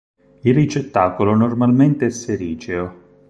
Il ricettacolo normalmente è sericeo.